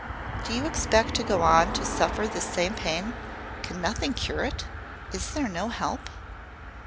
"Do you expect to go on to suffer this same pain? Can nothing cure it? Is there no help?"